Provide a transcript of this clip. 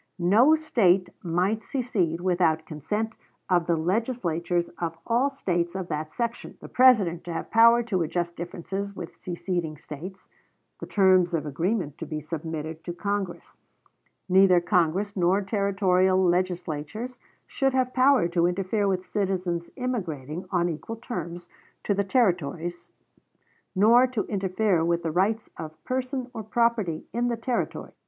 No State might secede without consent of the Legislatures of all States of that section, the President to have power to adjust differences with seceding States, the terms of agreement to be submitted to Congress; neither Congress nor Territorial Legislatures should have power to interfere with citizens immigrating on equal terms to the Territories, nor to interfere with the rights of person or property in the Territories.